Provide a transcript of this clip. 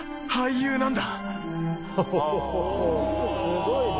すごいね。